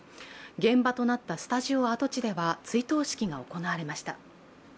現場となったスタジオ跡地では追悼式が行われました。